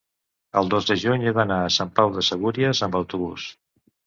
el dos de juny he d'anar a Sant Pau de Segúries amb autobús.